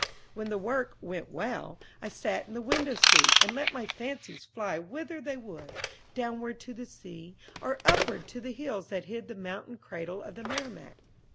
When the work "went well," I sat in the window seat, and let my fancies fly whither they would, downward to the sea, or upward to the hills that hid the mountain cradle of the Merrimack.